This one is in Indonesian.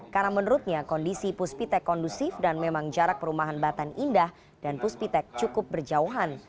karena menurutnya kondisi puspitec kondusif dan memang jarak perumahan batan indah dan puspitec cukup berjauhan